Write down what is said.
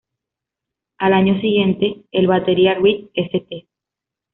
Al año siguiente, el batería Reed St.